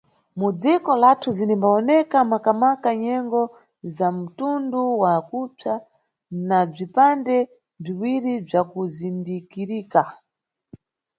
Mu dziko lathu zinimbawoneka maka-maka nyengo za mtundu wa kupsa, na bzipande bziwiri bzakuzindikirika.